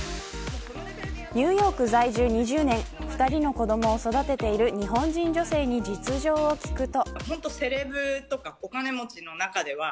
ニューヨーク在住２０年２人の子どもを育てている日本人女性に実情を聞くと。